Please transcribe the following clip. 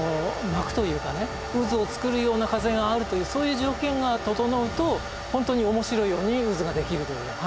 渦を作るような風があるというそういう条件が整うと本当に面白いように渦が出来るという。